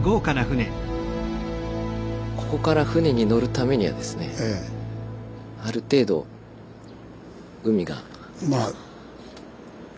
ここから船に乗るためにはですねある程度海が。